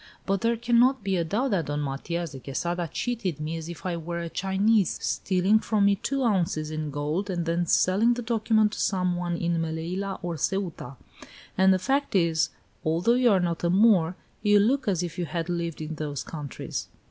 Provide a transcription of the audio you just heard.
"But there cannot be a doubt that Don Matias de Quesada cheated me as if I were a Chinese, stealing from me two ounces in gold, and then selling that document to some one in Melilla or Ceuta. And the fact is, although you are not a Moor, you look as if you had lived in those countries."